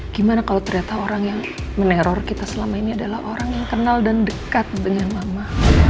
gimana kalau ternyata orang yang meneror kita selama ini adalah orang yang kenal dan dekat dengan mama